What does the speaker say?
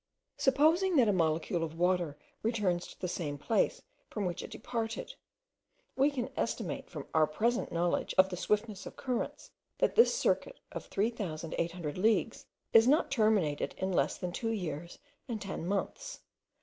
Supposing that a molecule of water returns to the same place from which it departed, we can estimate, from our present knowledge of the swiftness of currents, that this circuit of 3800 leagues is not terminated in less than two years and ten months.